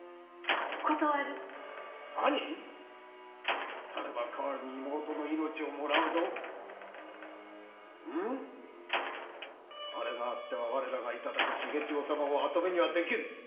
断る何されば代りに妹の命をもらうぞあれがあっては我らがいただく重千代様を跡目にはできぬ。